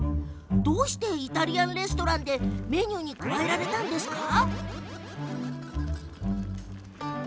どうしてイタリアンレストランのメニューになったのでしょうか？